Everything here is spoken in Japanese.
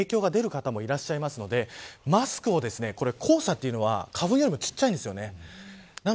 こういったところに影響が出る方もいるのでマスクを、黄砂というのは花粉よりも小さいんです。